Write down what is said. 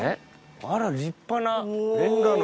あら立派なレンガの。